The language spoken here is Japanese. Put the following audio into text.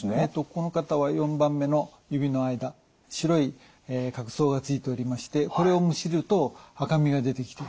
この方は４番目の指の間白い角層がついておりましてこれをむしると赤みが出てきて。